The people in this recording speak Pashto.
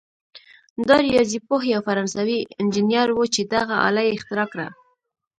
دا ریاضي پوه یو فرانسوي انجنیر وو چې دغه آله یې اختراع کړه.